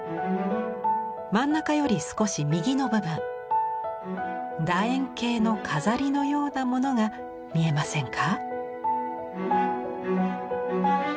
真ん中より少し右の部分だ円形の飾りのようなものが見えませんか？